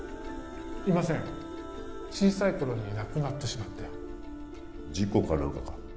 いません小さい頃に亡くなってしまって事故か何かか？